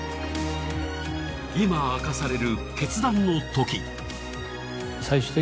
今、明かされる決断のとき。